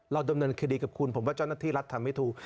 ดำเนินคดีกับคุณผมว่าเจ้าหน้าที่รัฐทำไม่ถูก